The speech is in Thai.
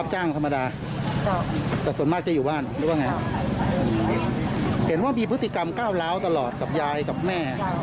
หรือย้ายกับแม่